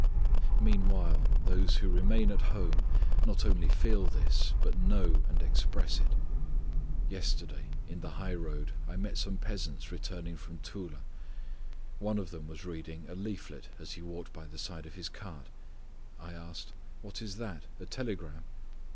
Meanwhile those who remain at home not only feel this, but know and express it. Yesterday in the high road I met some peasants returning from Toula. One of them was reading a leaflet as he walked by the side of his cart. I asked, "What is that a telegram?"